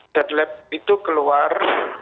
dan lab itu keluar